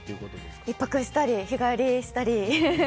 １泊したり日帰りしたり。